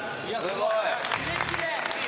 すごい。